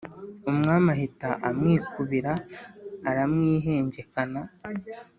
umwami ahita amwikubira aramwihengekana